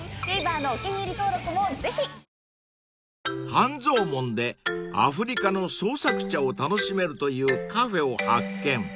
［半蔵門でアフリカの創作茶を楽しめるというカフェを発見］